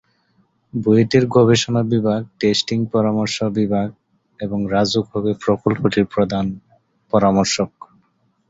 বুয়েটের গবেষণা বিভাগ, টেস্টিং, পরামর্শ বিভাগ এবং রাজউক হবে প্রকল্পটির প্রধান পরামর্শক।